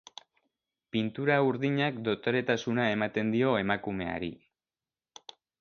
Pintura urdinak dotoretasuna ematen dio emakumeari.